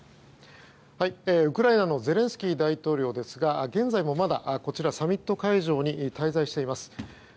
ウクライナのゼレンスキー大統領ですが現在もまだ、サミット会場に滞在しています。